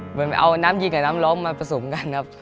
เหมือนเอาน้ำยิงกับน้ำล้มมาผสมกันครับ